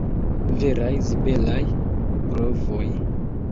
Veraj zibelaj brovoj!